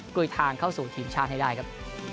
ลุยทางเข้าสู่ทีมชาติให้ได้ครับ